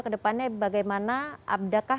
kedepannya bagaimana abdakah